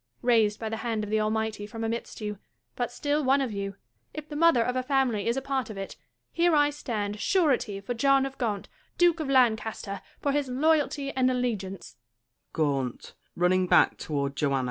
Raised by the hand of the Almighty from amidst you, but still one of you, if the mother of a family is a part of it, here I stand surety for John of Gaunt, Duke of Lan caster, for his loyalty and allegiance.